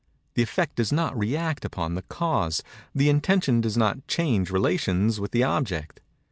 The effect does not re act upon the cause; the intention does not change relations with the object.